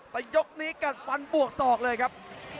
แต่ยกนี้กัดฟันบวกศอกเลยครับ